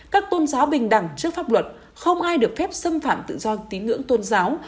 các tôn giáo bình đẳng trước pháp luật không ai được phép xâm phạm tự do tín ngưỡng tôn giáo